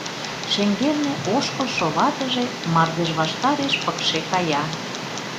Шеҥгелне ошкылшо ватыже мардеж ваштареш пыкше кая.